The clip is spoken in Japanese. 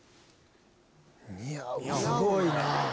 すごいな。